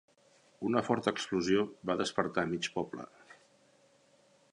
Una forta explosió va despertar mig poble.